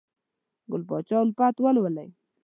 ګل پاچا الفت ولولئ!